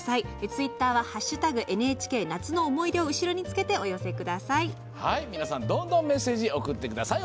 ツイッターは「＃ＮＨＫ夏の思い出」を後ろにつけてお寄せください。